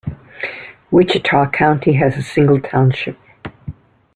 Wichita County has a single township.